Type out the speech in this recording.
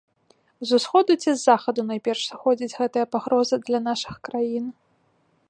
З усходу ці з захаду найперш сыходзіць гэтая пагроза для нашых краін?